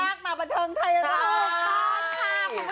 ลากมาประเทิงไทยนะครับ